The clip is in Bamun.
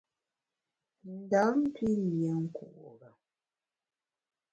Ndam pi lié nkure.